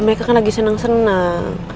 mereka kan lagi seneng seneng